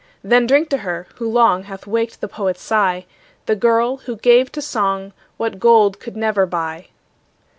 Then drink to her, who long Hath waked the poet's sigh, The girl, who gave to song What gold could never buy.